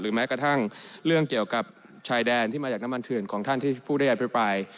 แม้กระทั่งเรื่องเกี่ยวกับชายแดนที่มาจากน้ำมันเถื่อนของท่านที่ผู้ได้อภิปราย